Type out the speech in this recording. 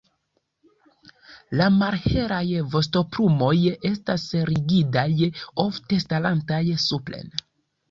La malhelaj vostoplumoj estas rigidaj ofte starantaj supren.